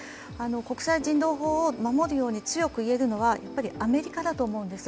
国際人道法を守るように強く言えるのはアメリカだと思うんです。